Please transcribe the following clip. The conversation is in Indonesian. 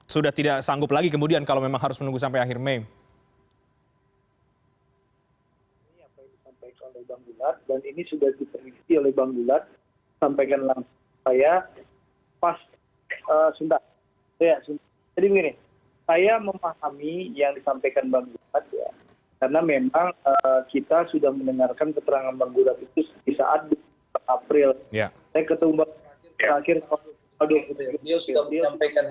sudah tidak sanggup lagi kemudian kalau memang harus menunggu sampai akhir mei